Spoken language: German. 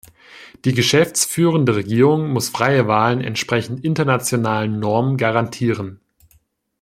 Die geschäftsführende Regierung muss freie Wahlen entsprechend internationalen Normen garantieren.